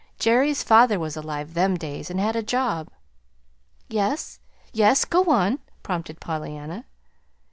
Jerry's father was alive them days, and had a job." "Yes, yes, go on," prompted Pollyanna.